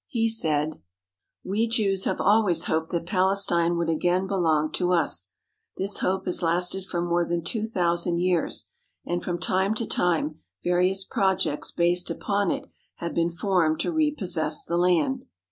He said: "We Jews have always hoped that Palestine would again belong to us. This hope has lasted for more than two thousand years, and from time to time various proj ects based upon it have been formed to repossess the land.